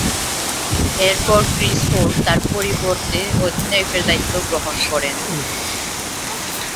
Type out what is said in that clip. এরপর Chris Old তার পরিবর্তে অধিনায়কের দায়িত্ব গ্রহণ করেন।